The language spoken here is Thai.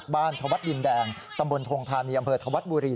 บ้านธวัฒน์ดินแดงตำบลธงธานียำเภอธวัฒน์บุรี